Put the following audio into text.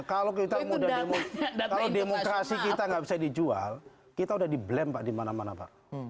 kalau kita udah demokrasi kita gak bisa dijual kita udah di blame pak di mana mana pak